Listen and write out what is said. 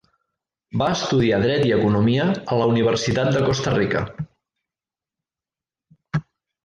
Va estudiar Dret i Economia a la Universitat de Costa Rica.